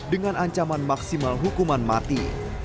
dengan ancaman maksimal hukuman mati